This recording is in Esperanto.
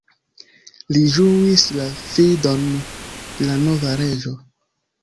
Li ĝuis la fidon de la nova reĝo.